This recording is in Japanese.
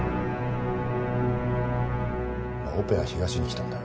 まあオペは東に来たんだ